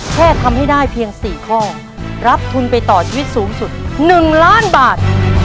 แค่ทำให้ได้เพียง๔ข้อรับทุนไปต่อชีวิตสูงสุด๑ล้านบาท